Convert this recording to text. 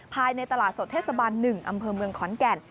ภายในตลาดสดเทศบาล๑อำเภอเมืองขอนแก่น